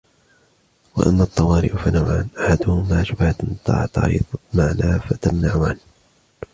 وَأَمَّا الطَّوَارِئُ فَنَوْعَانِ أَحَدُهُمَا شُبْهَةٌ تَعْتَرِضُ الْمَعْنَى فَتَمْنَعُ عَنْ